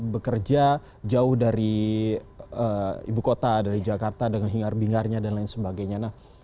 bekerja jauh dari ibu kota dari jakarta dengan hingar bingarnya dan lain sebagainya